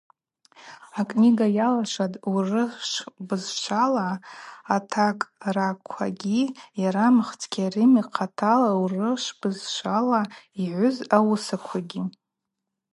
Акнига йалашватӏ урышв бызшвала атакӏраквагьи йара Мыхц Кьарим йхъатала урышв бызшвала йгӏвыз ауысаквагьи.